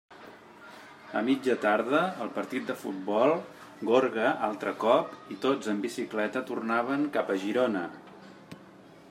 A mitja tarda, el partit de futbol, gorga altre cop, i tots amb bicicleta tornaven cap a Girona.